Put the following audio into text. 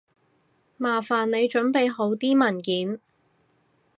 麻煩你準備好啲文件